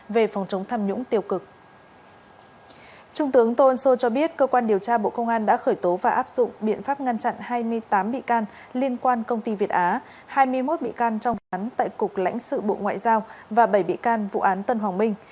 về phòng chống tham nhũng tiêu cực trung tướng tô ân sô cho biết cơ quan điều tra bộ công an đã khởi tố và áp dụng biện pháp ngăn chặn hai mươi tám bị can liên quan công ty việt á hai mươi một bị can trong phán tại cục lãnh sự bộ ngoại giao và bảy bị can vụ án tân hoàng minh